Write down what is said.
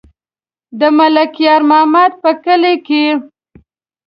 د ملک یار محمد په کلي کې.